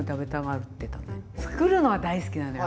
つくるのは大好きなのよ